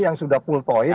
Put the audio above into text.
yang sudah pultoid